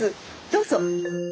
どうぞ。